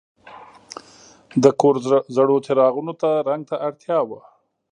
د کور زړو څراغونو ته رنګ ته اړتیا وه.